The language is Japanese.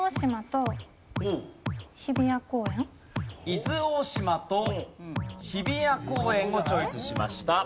伊豆大島と日比谷公園をチョイスしました。